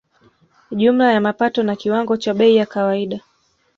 Jumla ya mapato na kiwango cha bei ya kawaida